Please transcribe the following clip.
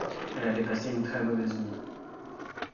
Elle avait passé une très mauvaise nuit.